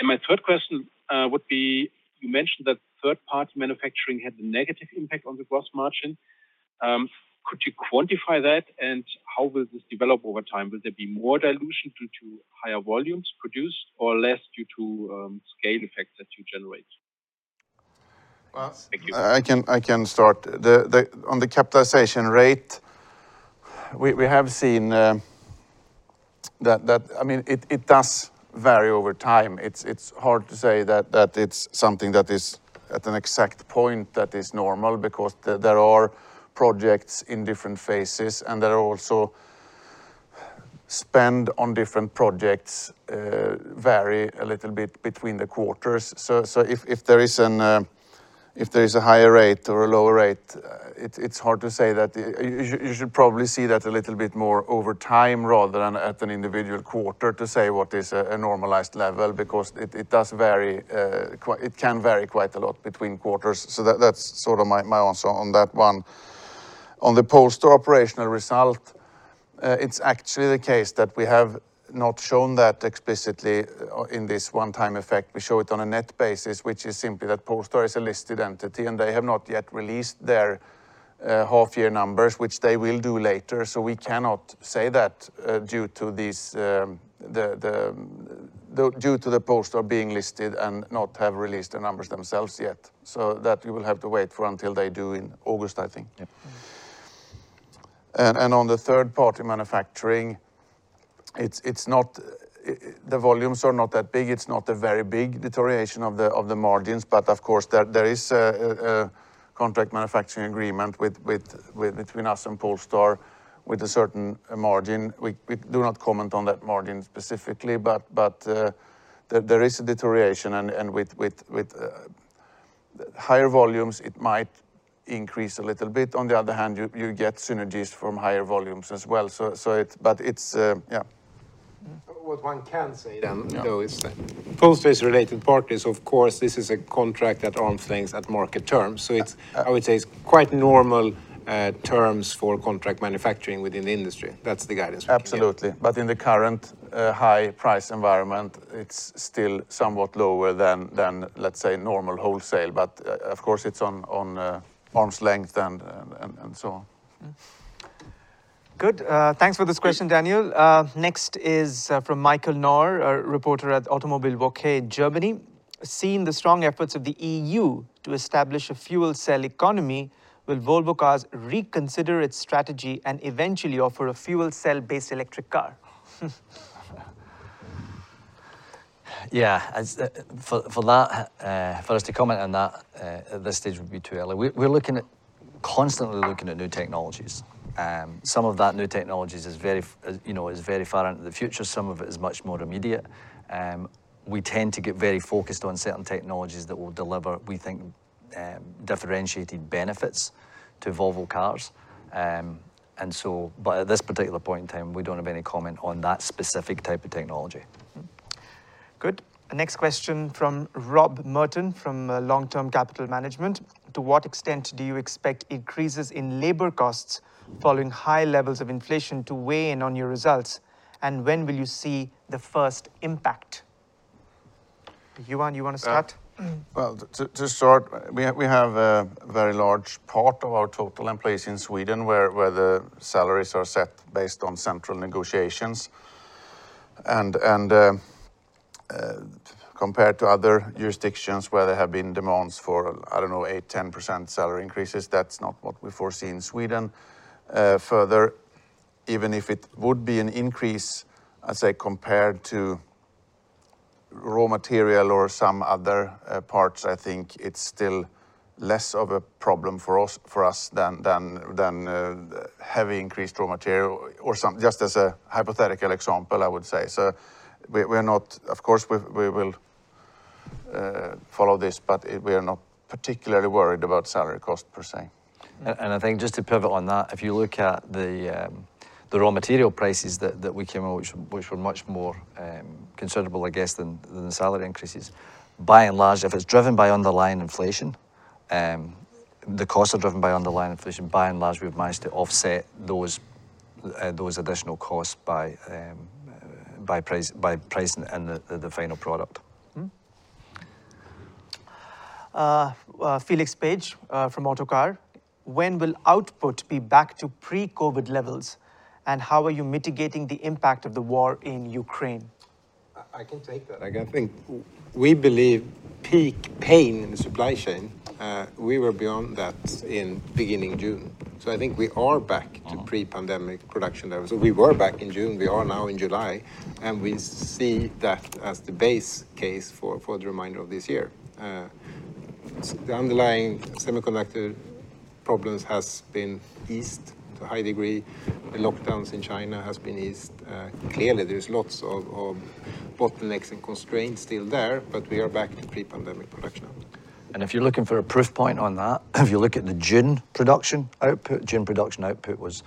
My third question would be you mentioned that third-party manufacturing had a negative impact on the gross margin. Could you quantify that? How will this develop over time? Will there be more dilution due to higher volumes produced or less due to, scale effects that you generate? Well- Thank you. I can start. On the capitalization rate, we have seen that. I mean, it does vary over time. It's hard to say that it's something that is at an exact point that is normal because there are projects in different phases and there are also spend on different projects vary a little bit between the quarters. If there is a higher rate or a lower rate, it's hard to say that you should probably see that a little bit more over time rather than at an individual quarter to say what is a normalized level because it does vary. It can vary quite a lot between quarters. That's sort of my answer on that one. On the Polestar operational result, it's actually the case that we have not shown that explicitly in this one-time effect. We show it on a net basis, which is simply that Polestar is a listed entity, and they have not yet released their half-year numbers, which they will do later. We cannot say that due to the Polestar being listed and not have released the numbers themselves yet. That we will have to wait for until they do in August, I think. Yep. The volumes are not that big. It's not a very big deterioration of the margins. Of course, there is a contract manufacturing agreement between us and Polestar with a certain margin. We do not comment on that margin specifically, but there is a deterioration and with higher volumes, it might increase a little bit. On the other hand, you get synergies from higher volumes as well. It's yeah. What one can say then. Yeah. The thing is that Polestar is a related party. Of course, this is a contract that's arm's length at market terms. Yeah. I would say it's quite normal terms for contract manufacturing within the industry. That's the guidance we can give. Absolutely. In the current high price environment, it's still somewhat lower than, let's say, normal wholesale. Of course, it's on arm's length and so on. Good. Thanks for this question, Daniel. Next is from Michael Knauer, a reporter at Automobilwoche in Germany. Seeing the strong efforts of the EU to establish a fuel cell economy, will Volvo Cars reconsider its strategy and eventually offer a fuel cell-based electric car? Yeah. For us to comment on that at this stage would be too early. We're constantly looking at new technologies. Some of that new technologies is very far into the future, you know, some of it is much more immediate. We tend to get very focused on certain technologies that will deliver, we think, differentiated benefits to Volvo Cars. By this particular point in time, we don't have any comment on that specific type of technology. Good. Next question from Rob Merton, from Long-Term Capital Management. To what extent do you expect increases in labor costs following high levels of inflation to weigh in on your results? And when will you see the first impact? Johan, you wanna start? Well, to start, we have a very large part of our total employees in Sweden, where the salaries are set based on central negotiations. Compared to other jurisdictions where there have been demands for, I don't know, 8%-10% salary increases, that's not what we foresee in Sweden. Further, even if it would be an increase, I'd say compared to raw material or some other parts, I think it's still less of a problem for us than having increased raw material just as a hypothetical example, I would say. Of course, we will follow this, but we are not particularly worried about salary cost per se. I think just to pivot on that, if you look at the raw material prices that we came out, which were much more considerable, I guess, than the salary increases. By and large, if it's driven by underlying inflation, the costs are driven by underlying inflation. By and large, we've managed to offset those additional costs by price and the final product. Felix Page from Autocar. When will output be back to pre-COVID levels? How are you mitigating the impact of the war in Ukraine? I can take that. I think we believe peak pain in the supply chain. We were beyond that in beginning June. I think we are back- Mm-hmm. -to pre-pandemic production levels. We were back in June, we are now in July, and we see that as the base case for the remainder of this year. The underlying semiconductor problems has been eased to a high degree. The lockdowns in China has been eased. Clearly, there is lots of bottlenecks and constraints still there, but we are back to pre-pandemic production. If you're looking for a proof point on that, June production output was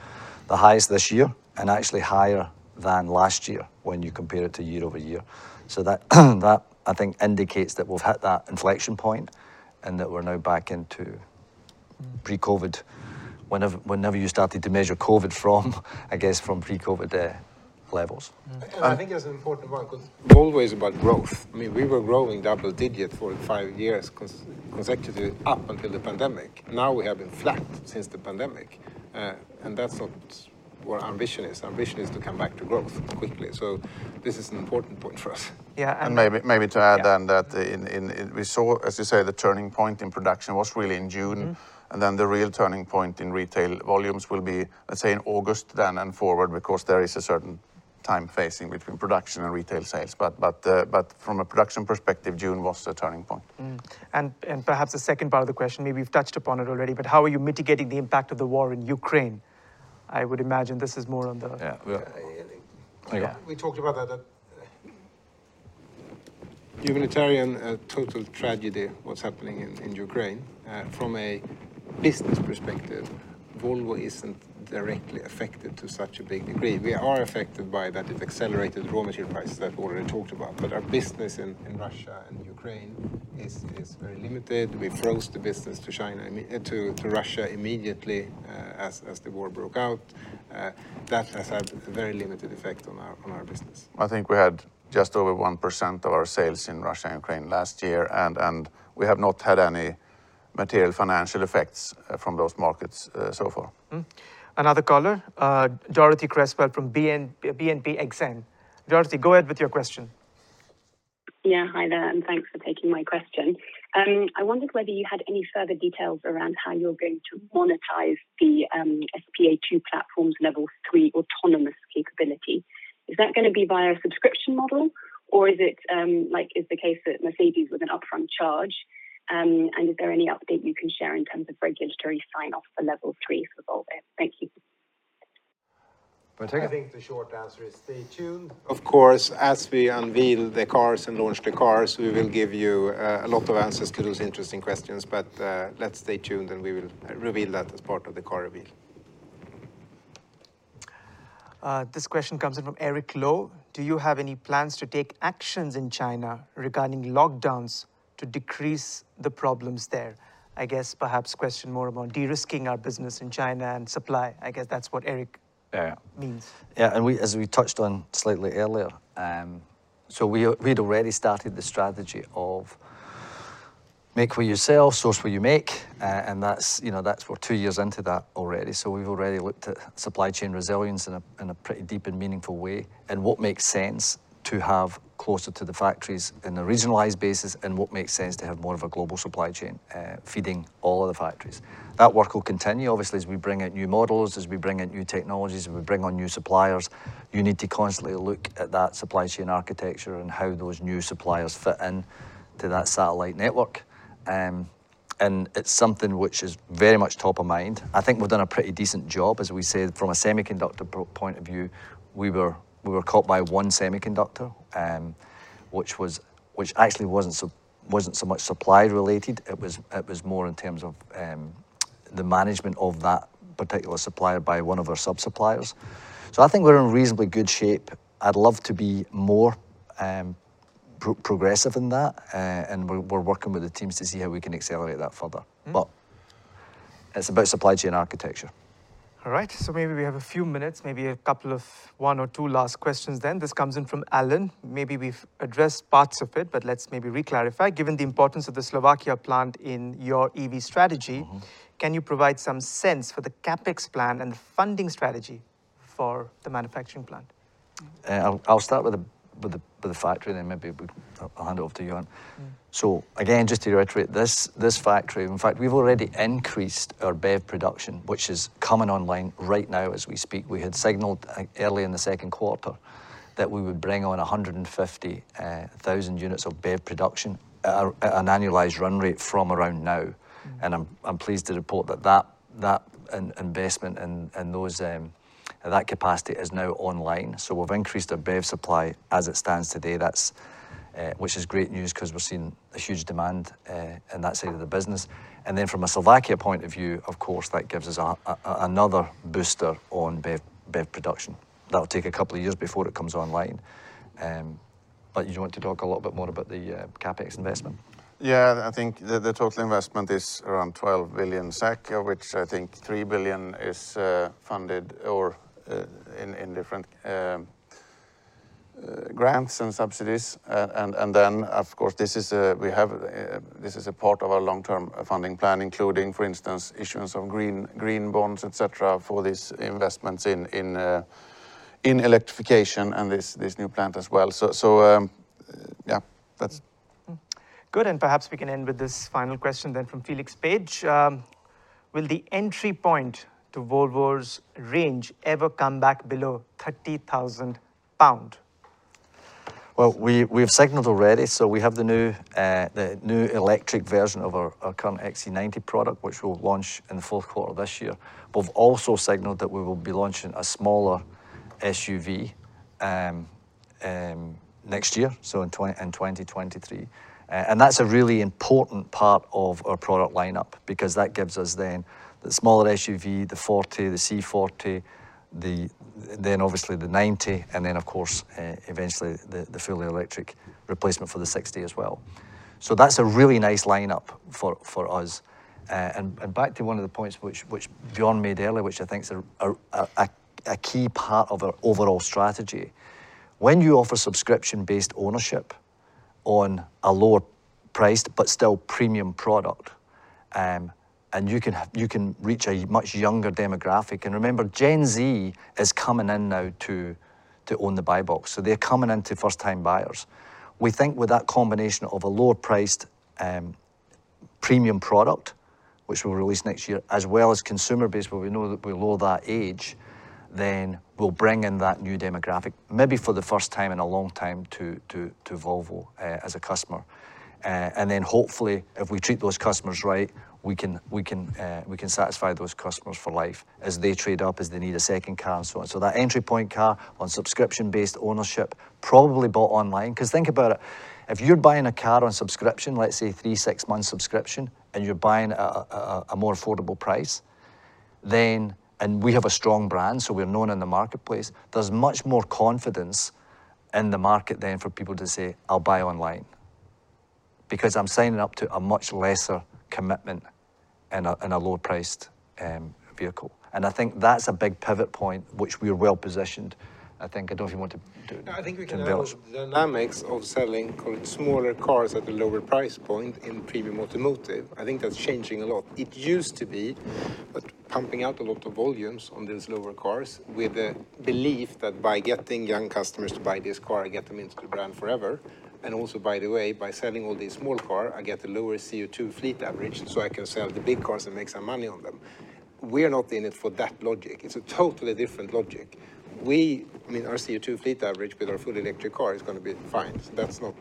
the highest this year and actually higher than last year when you compare it to year-over-year. That I think indicates that we've hit that inflection point and that we're now back into pre-COVID. Whenever you started to measure COVID from, I guess, from pre-COVID levels. Mm-hmm. I think it's an important one 'cause it's always about growth. I mean, we were growing double-digit for five years consecutively up until the pandemic. Now we have been flat since the pandemic. That's not what our ambition is. Our ambition is to come back to growth quickly. This is an important point for us. Yeah. Maybe to add then that we saw, as you say, the turning point in production was really in June. Mm-hmm. The real turning point in retail volumes will be, let's say, in August then and forward because there is a certain time phasing between production and retail sales. From a production perspective, June was the turning point. Perhaps the second part of the question, maybe we've touched upon it already, but how are you mitigating the impact of the war in Ukraine? I would imagine this is more on the- Yeah. Yeah, I think. I got it. We talked about that. The humanitarian total tragedy, what's happening in Ukraine. From a business perspective, Volvo isn't directly affected to such a big degree. We are affected by that it accelerated raw material prices that we already talked about, but our business in Russia and Ukraine is very limited. We froze the business to Russia immediately, as the war broke out. That has had a very limited effect on our business. I think we had just over 1% of our sales in Russia and Ukraine last year, and we have not had any material financial effects from those markets so far. Another caller, Dorothee Cresswell from BNP Exane. Dorothee, go ahead with your question. Yeah, hi there, and thanks for taking my question. I wondered whether you had any further details around how you're going to monetize the SPA2 platform's Level 3 autonomous capability. Is that gonna be via a subscription model, or is it like the case at Mercedes-Benz with an upfront charge? Is there any update you can share in terms of regulatory sign-off for Level 3 for Volvo? Thank you. Björn? I think the short answer is stay tuned. Of course, as we unveil the cars and launch the cars, we will give you a lot of answers to those interesting questions. Let's stay tuned, and we will reveal that as part of the car reveal. This question comes in from Eric Lowe. Do you have any plans to take actions in China regarding lockdowns to decrease the problems there? I guess perhaps question more about de-risking our business in China and supply. Yeah. -means. As we touched on slightly earlier, we'd already started the strategy of make where you sell, source where you make, and that's, you know, we're two years into that already. We've already looked at supply chain resilience in a pretty deep and meaningful way and what makes sense to have closer to the factories in a regionalized basis and what makes sense to have more of a global supply chain feeding all of the factories. That work will continue obviously as we bring out new models, as we bring out new technologies, as we bring on new suppliers. You need to constantly look at that supply chain architecture and how those new suppliers fit into that satellite network. It's something which is very much top of mind. I think we've done a pretty decent job. As we said, from a semiconductor standpoint, we were caught by one semiconductor, which actually wasn't so much supply related. It was more in terms of the management of that particular supplier by one of our sub-suppliers. I think we're in reasonably good shape. I'd love to be more proactive in that. We're working with the teams to see how we can accelerate that further. Mm. It's about supply chain architecture. All right. Maybe we have a few minutes, maybe a couple of one or two last questions then. This comes in from Alan. Maybe we've addressed parts of it, but let's maybe re-clarify. Given the importance of the Slovakia plant in your EV strategy. Mm-hmm. Can you provide some sense for the CapEx plan and the funding strategy for the manufacturing plant? I'll start with the factory, then I'll hand it off to Johan. Mm. Again, just to reiterate, this factory, in fact, we've already increased our BEV production, which is coming online right now as we speak. We had signaled early in the second quarter that we would bring on 150,000 units of BEV production at an annualized run rate from around now. Mm. I'm pleased to report that investment and that capacity is now online. We've increased our BEV supply as it stands today. That's which is great news 'cause we're seeing a huge demand in that side of the business. Then from a Slovakia point of view, of course, that gives us a another booster on BEV production. That'll take a couple of years before it comes online. Did you want to talk a little bit more about the CapEx investment? Yeah. I think the total investment is around 12 billion SEK, of which I think 3 billion is funded or in different grants and subsidies. Then of course this is a part of our long-term funding plan, including, for instance, issuance of green bonds, etc., for these investments in electrification and this new plant as well. So yeah, that's... Good, perhaps we can end with this final question then from Felix Page. Will the entry point to Volvo's range ever come back below 30,000 pound? We've signaled already. We have the new electric version of our current XC90 product, which we'll launch in the fourth quarter of this year. We've also signaled that we will be launching a smaller SUV next year, so in 2023. That's a really important part of our product lineup because that gives us then the smaller SUV, the XC40, the C40, then obviously the XC90, and then of course eventually the fully electric replacement for the XC60 as well. That's a really nice lineup for us. Back to one of the points which Johan made earlier, which I think is a key part of our overall strategy. When you offer subscription-based ownership on a lower priced but still premium product, and you can reach a much younger demographic. Remember, Gen Z is coming in now to own the buy box. They're coming into first-time buyers. We think with that combination of a lower priced premium product, which we'll release next year, as well as consumer base, where we know that we're lower that age, then we'll bring in that new demographic maybe for the first time in a long time to Volvo as a customer. Then hopefully, if we treat those customers right, we can satisfy those customers for life as they trade up, as they need a second car and so on. That entry point car on subscription-based ownership probably bought online. 'Cause think about it. If you're buying a car on subscription, let's say three, six months subscription, and you're buying a more affordable price, then and we have a strong brand, so we're known in the marketplace. There's much more confidence in the market than for people to say, "I'll buy online," because I'm signing up to a much lesser commitment in a lower-priced vehicle. I think that's a big pivot point which we are well-positioned. I think I don't know if you want to do. No, I think we can have. To build. The dynamics of selling call it smaller cars at a lower price point in premium automotive. I think that's changing a lot. It used to be about pumping out a lot of volumes on these lower cars with the belief that by getting young customers to buy this car, I get them into the brand forever. By the way, by selling all these small car, I get a lower CO2 fleet average, so I can sell the big cars and make some money on them. We're not in it for that logic. It's a totally different logic. We, I mean, our CO2 fleet average with our full electric car is gonna be fine, so that's not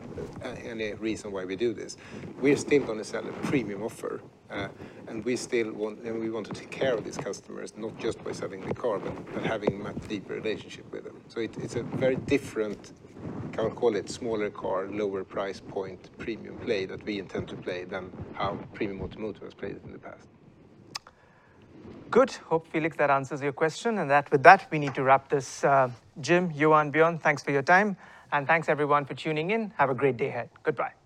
any reason why we do this. We're still gonna sell a premium offer, and we still want to take care of these customers, not just by selling the car, but having a much deeper relationship with them. It's a very different, we can call it smaller car, lower price point premium play that we intend to play than how premium automotive has played it in the past. Good. Hope, Felix, that answers your question. With that, we need to wrap this, Jim, Johan, Björn, thanks for your time. Thanks everyone for tuning in. Have a great day ahead. Goodbye.